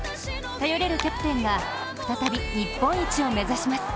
頼れるキャプテンが再び日本一を目指します。